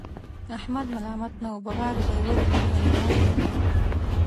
احمد ملامت نه و، بغارې به یې ولې نه وهلې؛ مور یې مړه وه.